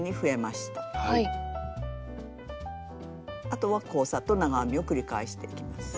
あとは交差と長編みを繰り返していきます。